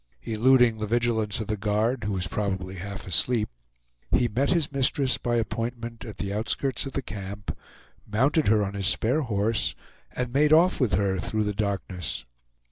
Eluding the vigilance of the guard, who was probably half asleep, he met his mistress by appointment at the outskirts of the camp, mounted her on his spare horse, and made off with her through the darkness.